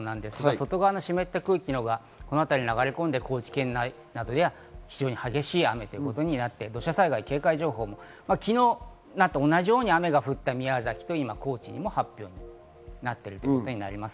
外側の湿った空気がこのあたりに流れ込んで、高知県内などでは非常に激しい雨ということになって、土砂災害警戒情報、昨日と同じように雨が降った宮崎と高知に今、発表されています。